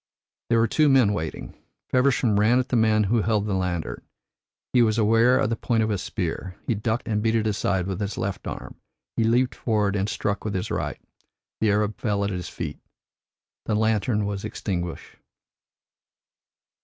There were two men waiting. Feversham ran at the man who held the lantern. He was aware of the point of a spear, he ducked and beat it aside with his left arm, he leaped forward and struck with his right. The Arab fell at his feet; the lantern was extinguished.